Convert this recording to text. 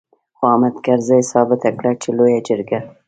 خو حامد کرزي ثابته کړه چې لويه جرګه.